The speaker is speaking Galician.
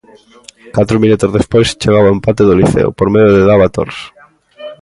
Catro minutos despois, chegaba o empate do Liceo por medio de Dava Torres.